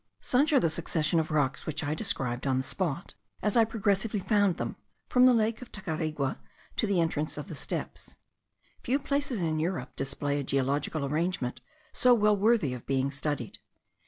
Such are the successions of rocks, which I described on the spot as I progressively found them, from the lake of Tacarigua to the entrance of the steppes. Few places in Europe display a geological arrangement so well worthy of being studied.